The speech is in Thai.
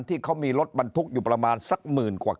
ที่เขามีรถบรรทุกอยู่ประมาณสักหมื่นกว่า